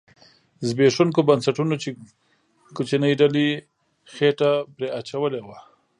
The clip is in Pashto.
زبېښوونکو بنسټونو چې کوچنۍ ډلې خېټه پرې اچولې وه